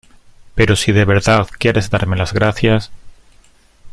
pero si de verdad quieres darme las gracias,